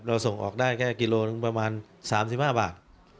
ส่งออกได้แค่กิโลหนึ่งประมาณ๓๕บาท